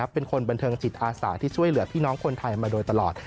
เป็นคนบันเทิงจิตอาสาที่ช่วยเหลือพี่น้องคนไทยมาโดยตลอด